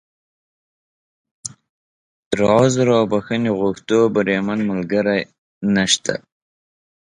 تر عذر او بښنې غوښتو، بریمن ملګری نشته.